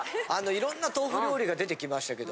色んな豆腐料理が出てきましたけど。